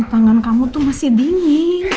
tangan kamu tuh masih dingin